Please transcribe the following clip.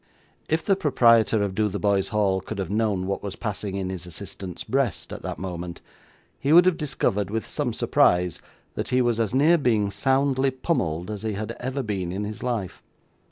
If the proprietor of Dotheboys Hall could have known what was passing in his assistant's breast at that moment, he would have discovered, with some surprise, that he was as near being soundly pummelled as he had ever been in his life.